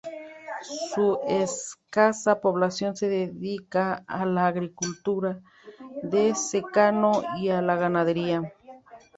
Su escasa población se dedica a la agricultura de secano y a la ganadería.